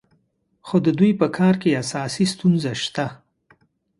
خو د دوی په کار کې اساسي ستونزه شته.